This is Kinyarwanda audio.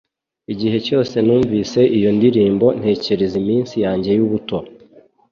Igihe cyose numvise iyo ndirimbo ntekereza iminsi yanjye y'ubuto